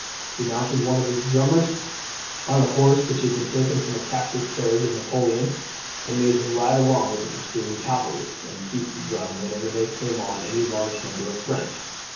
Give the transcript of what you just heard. He mounted one of his drummers on a horse which had been taken from the captured carriage of Napoleon, and made him ride along with the pursuing cavalry, and beat the drum whenever they came on any large number of the French.